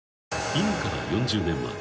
［今から４０年前。